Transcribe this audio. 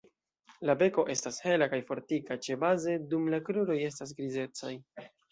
La beko estas hela kaj fortika ĉebaze dum la kruroj estas grizecaj.